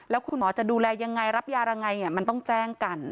แล้วคุณหมอจะดูแลยังไงรับยายังไงมันต้องแจ้งกัน